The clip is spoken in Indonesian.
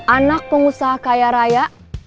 anak pengusaha kaya raya